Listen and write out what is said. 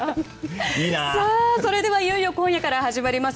それではいよいよ今夜から始まります